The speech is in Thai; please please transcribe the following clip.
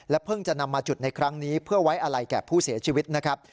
เพิ่งจะนำมาจุดในครั้งนี้เพื่อไว้อะไรแก่ผู้เสียชีวิตนะครับ